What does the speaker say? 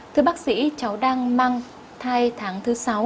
thưa bác sĩ cháu đang mang thai tháng thứ sáu